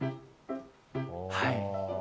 はい！